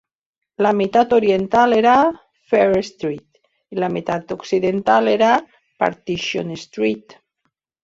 La meitat oriental era Fair Street i la meitat occidental era Partition Street.